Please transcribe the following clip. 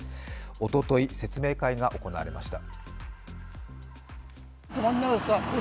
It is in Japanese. おととい、説明会が行われました。